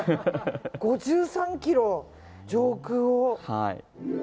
５３ｋｍ上空を。